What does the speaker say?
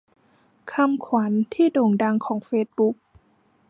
คำขวัญที่โด่งดังของเฟซบุ๊ก